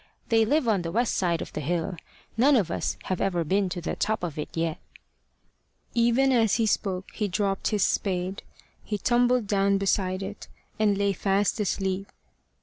They live on the west side of the hill. None of us have ever been to the top of it yet." Even as he spoke, he dropped his spade. He tumbled down beside it, and lay fast asleep.